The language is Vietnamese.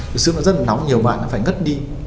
thực sự nó rất là nóng nhiều bạn phải ngất đi